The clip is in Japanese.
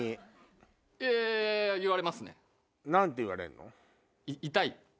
何て言われんの？